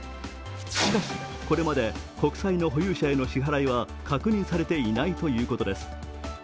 しかしこれまで国債の保有者への支払いは確認されていないということです。